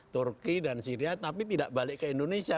turki dan syria tapi tidak balik ke indonesia